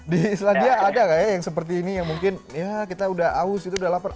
di islandia ada nggak ya yang seperti ini yang mungkin ya kita udah aus gitu udah lapar